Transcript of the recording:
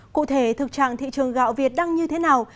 cụ thể thực trạng thị trường gạo việt đang như thế nào